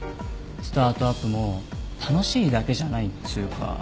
スタートアップも楽しいだけじゃないっつうか。